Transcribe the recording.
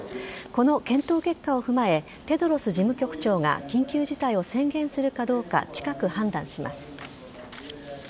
この検討結果を踏まえテドロス事務局長が緊急事態を宣言するかどうか近く判断します。